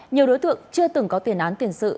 nhiều đối tượng chưa từng có tiền án tiền sự